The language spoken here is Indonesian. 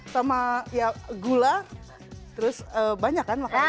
sama ya gula terus banyak kan makanan